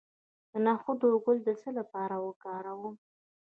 د نخود ګل د څه لپاره وکاروم؟